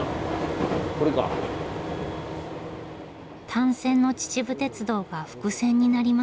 単線の秩父鉄道が複線になりました。